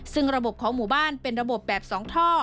ซึ่งระบบของหมู่บ้านเป็นระบบแบบ๒ท่อ